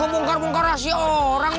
suka bongkar bongkar rahasia orang lu